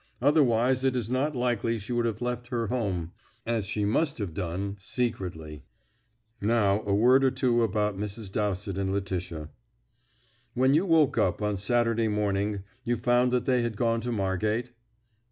Otherwise it is not likely she would have left her home, as she must have done, secretly. Now, a word or two about Mrs. Dowsett and Letitia." "When you woke up on Saturday morning you found that they had gone to Margate?"